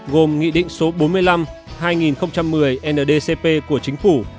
gồm nghị định số bốn mươi năm hai nghìn một mươi ndcp của chính phủ